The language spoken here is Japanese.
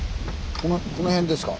この辺ですか。